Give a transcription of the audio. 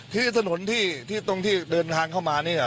ที่ถนนที่ตรงที่เดินทางเข้ามาเนี่ย